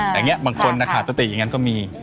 อย่างเนี่ยบางคนนะคะสติอย่างนั้นก็มี